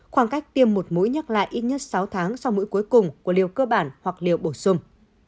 khoảng cách tiêm một mũi nhắc lại ít nhất sáu tháng sau mũi cuối cùng của liều cơ bản hoặc liều bổ sung